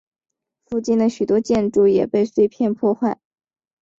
附近的许多建筑也被碎片破坏。